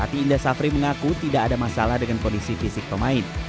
ati indra safri mengaku tidak ada masalah dengan kondisi fisik pemain